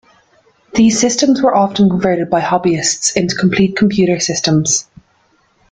These systems were often converted by hobbyists into complete computer systems.